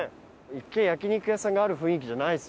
一見焼肉屋さんがある雰囲気じゃないですよね。